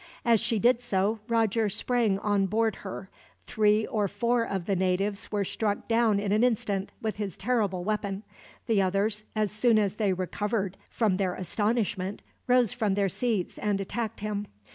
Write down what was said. As she did so, Roger sprang on board her. Three or four of the natives were struck down in an instant, with his terrible weapon. The others, as soon as they recovered from their astonishment, rose from their seats and attacked him.